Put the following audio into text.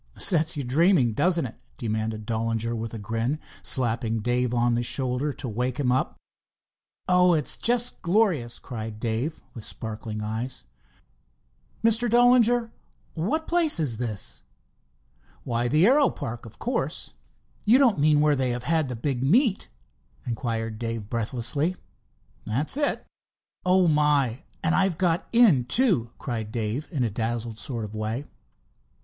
"Sets you dreaming, does it?" demanded Dollinger with a grin, slapping Dave on the shoulder to wake him up. "Oh, it's just glorious!" cried Dave, with sparkling eyes. "Mr. Dollinger, what place is this?" "Why, the aero park, of course." "You don't mean where they have had the big meet?" inquired Dave breathlessly. "That's it." "Oh, my—and I've got in, too!" cried Dave in a dazzled sort of way.